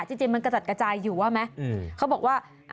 จริงมันกระจัดกระจายอยู่ว่าไหมเขาบอกว่า